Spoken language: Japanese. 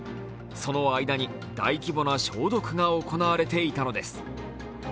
その間に大規模な消毒が行われていたのです。